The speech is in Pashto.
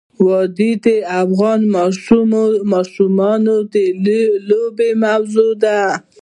وادي د افغان ماشومانو د لوبو موضوع ده.